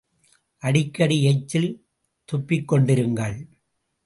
அடிக்கடி எச்சில் துப்பிக்கொண்டிருங்கள்.